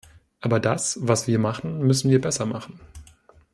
Aber das, was wir machen, müssen wir besser machen.